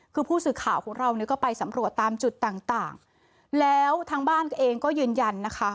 คือผู้สื่อข่าวของเราเนี่ยก็ไปสำรวจตามจุดต่างต่างแล้วทางบ้านเองก็ยืนยันนะคะ